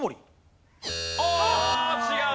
ああ違う！